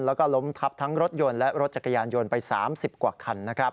แล้วก็ล้มทับทั้งรถยนต์และรถจักรยานยนต์ไป๓๐กว่าคัน